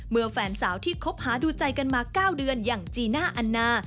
แฟนสาวที่คบหาดูใจกันมา๙เดือนอย่างจีน่าอันนา